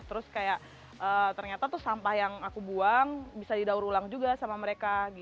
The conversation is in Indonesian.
terus kayak ternyata tuh sampah yang aku buang bisa didaur ulang juga sama mereka